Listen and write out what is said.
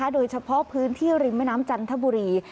โดยเฉพาะพื้นที่ริมแม่น้ำจันทบุรี